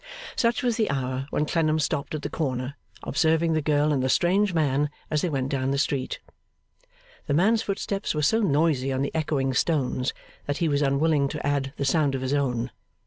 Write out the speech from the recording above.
Such was the hour when Clennam stopped at the corner, observing the girl and the strange man as they went down the street. The man's footsteps were so noisy on the echoing stones that he was unwilling to add the sound of his own.